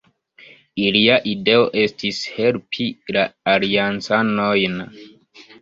Ilia ideo estis helpi la Aliancanojn.